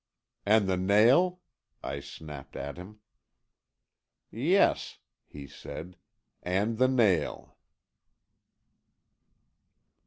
"And the nail?" I snapped at him. "Yes," he said, "and the nail."